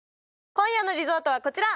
今夜のリゾートはこちら！